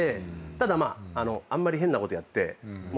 ただあんまり変なことやって消せないので。